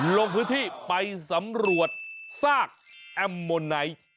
ลงพื้นที่ไปสำรวจซากแอมโมไนท์